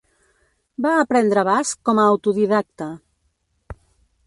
Va aprendre basc com a autodidacta.